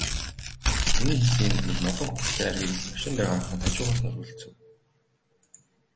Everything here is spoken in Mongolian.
Миний хийсэн юм гэвэл модон хөхүүртэй айргийг л машин дээр гаргахад хажуугаас нь өргөлцөв.